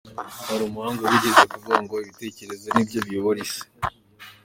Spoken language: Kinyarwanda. Hari umuhanga wigeze kuvuga ngo ibitekerezo ni byo biyobora isi.